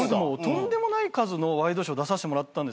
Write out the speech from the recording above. とんでもない数のワイドショー出させてもらってたんですよ。